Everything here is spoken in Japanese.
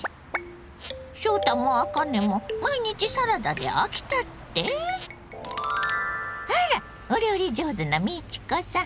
翔太もあかねも毎日サラダで飽きたって⁉あらお料理上手な美智子さん！